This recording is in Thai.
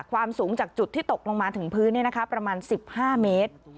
ความสูงจากจุดที่ตกลงมาถึงพื้นประมาณ๑๕เมตร